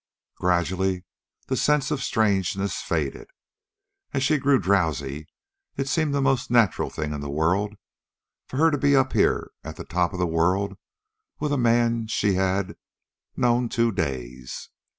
Gradually the sense of strangeness faded. As she grew drowsy, it seemed the most natural thing in the world for her to be up here at the top of the world with a man she had; known two days.